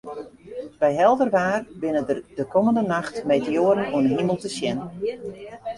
By helder waar binne der de kommende nacht meteoaren oan 'e himel te sjen.